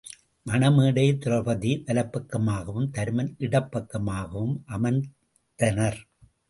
மண மேடையில் திரெளபதி வலப்பக்கமாகவும் தருமன் இடப்பக்கமாகவும் அமர்ந்தனர்.